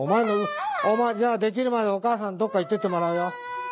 お前じゃあできるまでお母さんどっか行っててもらうよ？